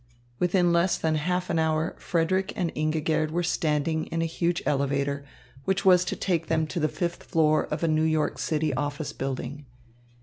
Within less than half an hour Frederick and Ingigerd were standing in a huge elevator, which was to take them to the fifth floor of a New York City office building.